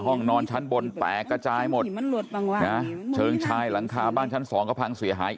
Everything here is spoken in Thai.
ห้องนอนชั้นบนแตกกระจายหมดนะเชิงชายหลังคาบ้านชั้นสองก็พังเสียหาย